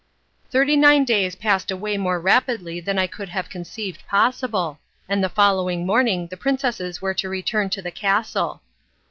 Thirty nine days passed away more rapidly than I could have conceived possible, and the following morning the princesses were to return to the castle.